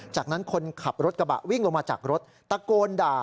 จากนั้นคนขับรถกระบะวิ่งลงมาจากรถตะโกนด่า